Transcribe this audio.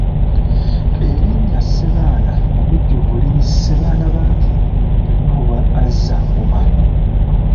Erinnya Ssebaana mubujjuvu liri ssebaana bangi temubulwa azza ngoma.